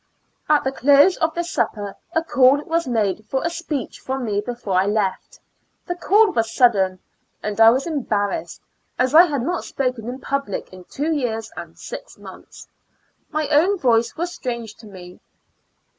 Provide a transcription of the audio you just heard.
At the close of the supper, a call was made for a speech from me before I left. The call was sudden and I was embarassed, as I had not spoken in public in two years and six months. My own voice was strange to me.